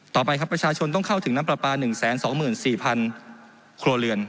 ต่อไปครับประชาชนต้องเข้าถึงน้ำปลาปลา๑๒๔๐๐๐ครัวเรือน